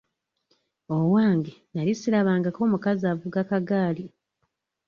Owange nali sirabangako mukazi avuga kagaali.